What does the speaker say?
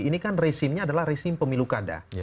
ini kan resimnya adalah resim pemilu kada